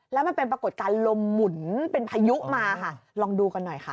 แล้วมันเป็นปรากฏการณ์ลมหมุนเป็นพายุมาค่ะลองดูกันหน่อยค่ะ